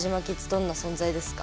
どんな存在ですか？